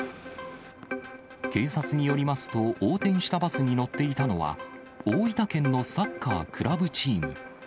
警察によりますと、横転したバスに乗っていたのは、大分県のサッカークラブチーム。